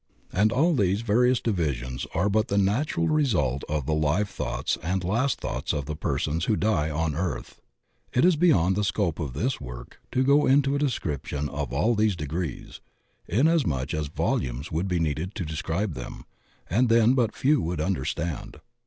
And all these various divisions are but the natural result of the life thoughts and last thoughts of the persons who die on earth. It is beyond the scope of this work to go into a description of all these degrees, inasmuch as volumes would be needed to describe them, and then but few would understand.